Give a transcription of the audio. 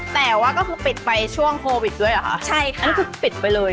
แต่ว่าก็คือปิดไปช่วงโควิดด้วยเหรอคะใช่ค่ะนี่คือปิดไปเลย